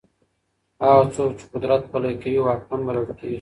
هغه څوک چي قدرت پلي کوي واکمن بلل کېږي.